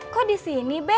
kok di sini be